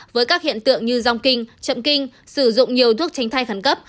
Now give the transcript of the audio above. với các hiện tượng như dòng kinh chậm kinh sử dụng nhiều thuốc tránh thai khẩn cấp